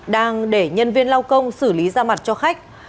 đang để nhân viên lau công xử lý da mặt cho khách